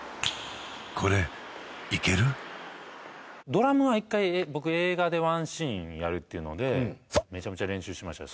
これいける？ドラムは一回僕映画でワンシーンやるっていうのでメチャメチャ練習しましたよ